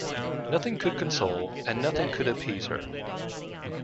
Nothing could console and nothing could appease her.